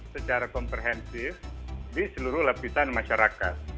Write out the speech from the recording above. secara komprehensif di seluruh lapisan masyarakat